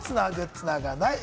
つながない？